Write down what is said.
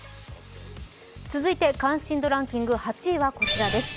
続いて関心度ランキング８位はこちらです。